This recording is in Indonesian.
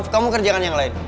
kamu kerjakan yang lain